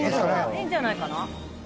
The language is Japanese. いいんじゃないかな。